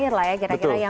apa asupan air lah ya